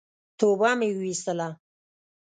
توبه مي واېستله !